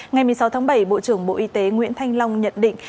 ngày một mươi sáu tháng bảy bộ trưởng bộ y tế nguyễn thanh long nhận định